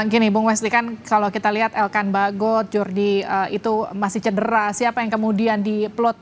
gini bung wesli kan kalau kita lihat elkan bagot jordi itu masih cedera siapa yang kemudian di plot